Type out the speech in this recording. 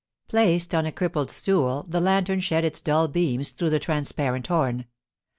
Placed on a crippled stool, the lantern shed its dull beams through the transparent horn.